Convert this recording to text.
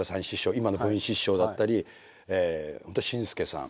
今の文枝師匠だったり紳助さん